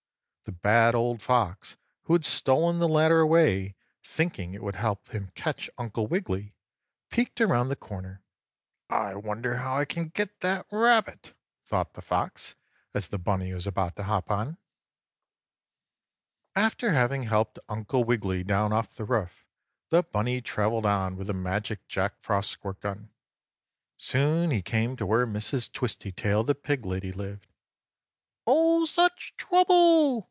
The Bad Old Fox, who had stolen the ladder away, thinking it would help him catch Uncle Wiggily, peeked around the corner. "I wonder how I can get that rabbit?" thought the Fox, as the bunny was about to hop on. 6. After having helped Uncle Wiggily down off the roof, the bunny traveled on with the magic Jack Frost squirt gun. Soon he came to where Mrs. Twistytail the pig lady lived. "Oh such trouble!"